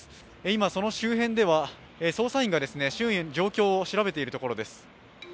今、その周辺では捜査員が周囲の状況を調べているところです。